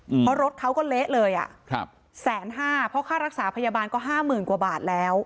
เพราะรถเขาก็เละเลยอ่ะครับแสนห้าเพราะค่ารักษาพยาบาลก็ห้าหมื่นกว่าบาทแล้ว